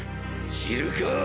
知るか！